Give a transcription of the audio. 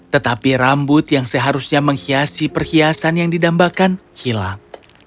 tetapi rambut yang seharusnya menghiasi perhiasan yang didambakan hilang